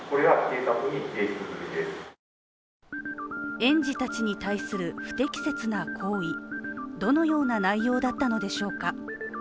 園児たちに対する不適切な行為、どのような内容だったのでしょうか。